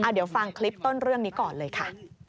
เดี๋ยวฟังคลิปต้นเรื่องนี้ก่อนเลยค่ะ